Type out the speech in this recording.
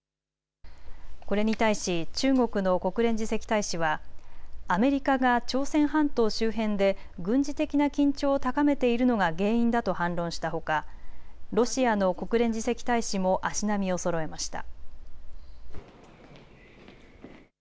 これに対し中国の国連次席大使はアメリカが朝鮮半島周辺で軍事的な緊張を高めているのが原因だと反論したほかロシアの国連次席大使も足並みをそろえました。